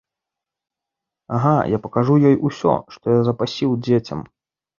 Ага, я пакажу ёй усё, што я запасіў дзецям.